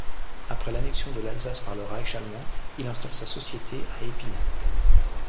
Après l'annexion de l'Alsace par le Reich allemand, il installe sa société à Epinal.